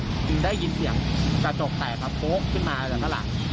จึงได้ยินเสียงกระจกแตกครับโป๊กขึ้นมาจากด้านหลัง